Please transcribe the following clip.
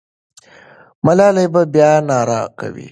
ملالۍ به بیا ناره کوي.